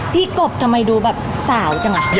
กบทำไมดูแบบสาวจังอ่ะ